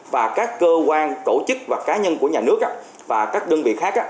và các cơ quan tổ chức và cá nhân của nhà nước và các đơn vị khác